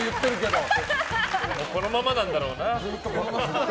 このままなんだろうな。